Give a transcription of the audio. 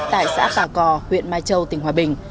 tại xã bà cò huyện mai châu tỉnh hòa bình